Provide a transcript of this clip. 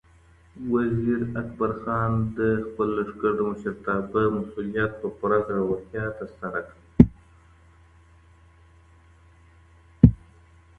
وزیر اکبر خان د خپل لښکر د مشرتابه مسؤلیت په پوره زړورتیا ترسره کړ.